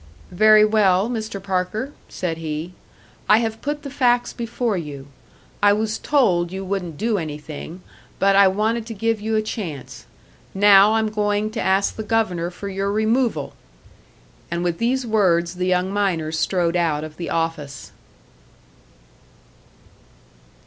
"Very well, Mr. Parker," said he. "I have put the facts before you. I was told you wouldn't do anything, but I wanted to give you a chance. Now I'm going to ask the Governor for your removal!" And with these words the young miner strode out of the office.